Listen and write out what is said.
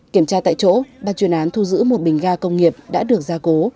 kiểm tra tại chỗ bà chuyên án thu giữ một bình ga công nghiệp đã được gia cố